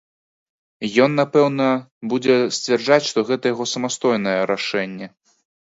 Ён, напэўна, будзе сцвярджаць, што гэта яго самастойнае рашэнне.